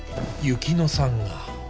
雪乃さんが。